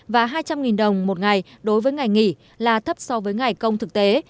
và hai trăm linh đồng một ngày đối với ngày nghỉ là thấp so với ngày công thực tế